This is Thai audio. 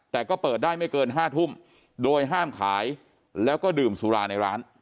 แต่ก็เปิดได้ไม่เกิน๕ทุ่มโดยห้ามขายแล้วก็ดื่มสุราในร้าน